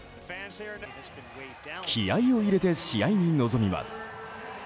気合を入れて試合に臨みます。